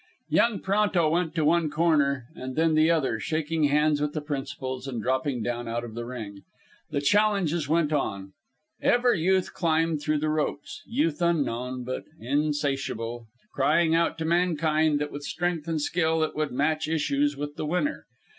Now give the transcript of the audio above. Young Pronto went to one corner and then the other, shaking hands with the principals and dropping down out of the ring. The challenges went on. Ever Youth climbed through the ropes Youth unknown, but insatiable crying out to mankind that with strength and skill it would match issues with the winner.